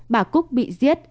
bà cúc bị giết